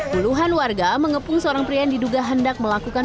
puluhan warga mengepung seorang pria yang diduga hendak melakukan